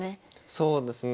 そうですね。